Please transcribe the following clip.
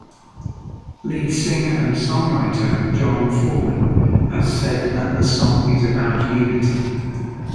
Lead singer and songwriter Jon Foreman has said that the song is "about unity".